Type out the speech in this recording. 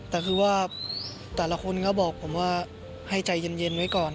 แต่คือว่าแต่ละคนก็บอกผมว่าให้ใจเย็นไว้ก่อน